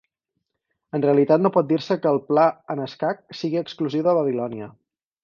En realitat no pot dir-se que el pla en escac sigui exclusiu de Babilònia.